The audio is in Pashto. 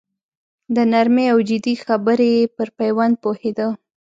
د نرمې او جدي خبرې پر پېوند پوهېده.